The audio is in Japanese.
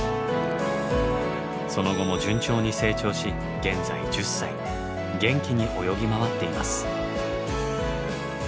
その後も順調に成長し元気に泳ぎ回っています。